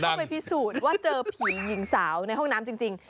ไปพิสูจน์ว่าเจอผีหญิงสาวในห้องน้ำจริง